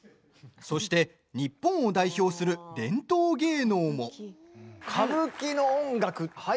そして日本を代表する伝統芸能も。